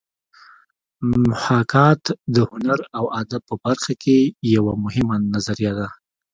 محاکات د هنر او ادب په برخه کې یوه مهمه نظریه ده